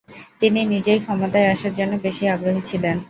তিনি নিজেই ক্ষমতায় আসার জন্য বেশি আগ্রহী ছিলেন।